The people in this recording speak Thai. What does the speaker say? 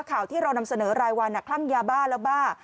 ข่าวที่เรานำเสนอรายวันคลั่งยาบ้าแล้วบ้า